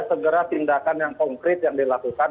segera tindakan yang konkret yang dilakukan